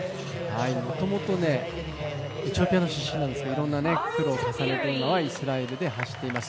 もともとエチオピア出身ですが、いろんな苦労を重ねて今はイスラエルで走っています。